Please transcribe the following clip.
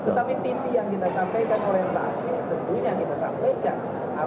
tetapi titik yang kita sampaikan oleh pasir tentunya yang kita sampaikan